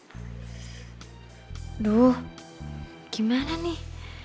aduh gimana nih